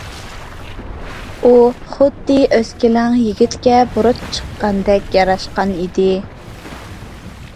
ئۇ خۇددى ئۆسكىلەڭ يىگىتكە بۇرۇت چىققاندەك ياراشقان ئىدى.